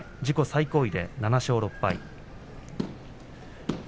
最高位で７勝６敗。